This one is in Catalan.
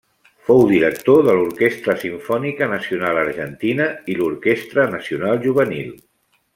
Fou director de l'Orquestra Simfònica Nacional Argentina i l'Orquestra Nacional Juvenil.